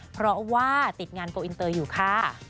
เพราะว่าติดงานโกอินเตอร์อยู่ค่ะ